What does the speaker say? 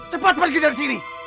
cepat pergi dari sini